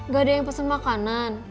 gak ada yang pesen makanan